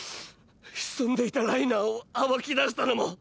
潜んでいたライナーを暴き出したのも。